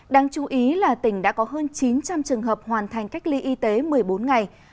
đáng chú ý là tỉnh đã có hơn chín trăm linh trường hợp hoàn thành cách ly y tế một mươi bốn ngày